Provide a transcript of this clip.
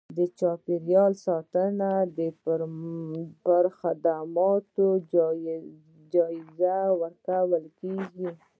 د چاپیریال ساتنې پر خدماتو جایزه ورکول کېږي.